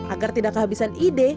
agar tidak kehabisan ide